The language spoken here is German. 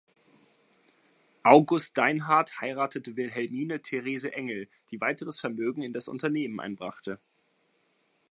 August Deinhard heiratete Wilhelmine Therese Engel, die weiteres Vermögen in das Unternehmen einbrachte.